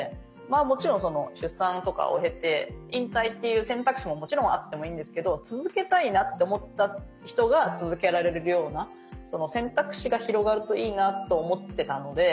もちろん出産とかを経て引退っていう選択肢ももちろんあってもいいんですけど続けたいなって思った人が続けられるような選択肢が広がるといいなと思ってたので。